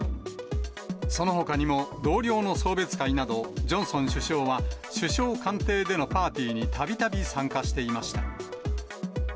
そのほかにも、同僚の送別会など、ジョンソン首相は首相官邸でのパーティーにたびたび参加していました。